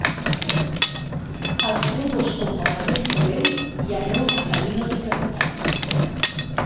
Alceu-vos com bonament pugueu i aneu a la cabina del capità.